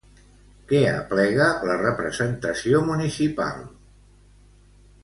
Què aplega la representació municipal?